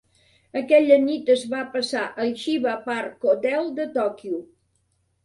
Aquella nit es va passar al Shiba Park Hotel de Tòquio.